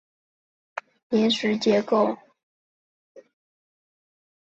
血体是卵泡排卵后形成的一种临时结构。